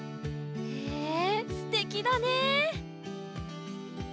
へえすてきだね。